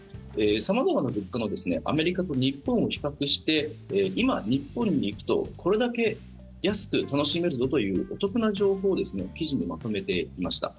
様々な物価のアメリカと日本を比較して今、日本に行くとこれだけ安く楽しめるぞというお得な情報を記事にまとめていました。